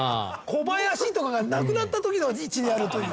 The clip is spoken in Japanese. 「小林」とかが無くなった時の位置にあるという。